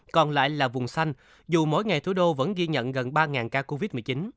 còn lại là vùng xanh dù mỗi ngày thủ đô vẫn ghi nhận gần ba ca covid một mươi chín